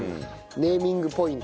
ネーミングポイント。